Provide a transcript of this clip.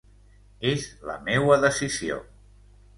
És la meua decisió.